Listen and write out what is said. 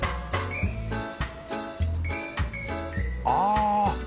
あ！